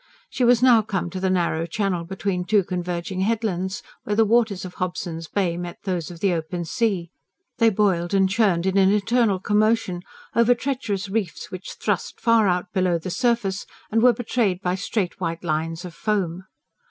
She was now come to the narrow channel between two converging headlands, where the waters of Hobson's Bay met those of the open sea. They boiled and churned, in an eternal commotion, over treacherous reefs which thrust far out below the surface and were betrayed by straight, white lines of foam.